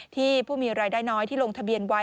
ผู้มีรายได้น้อยที่ลงทะเบียนไว้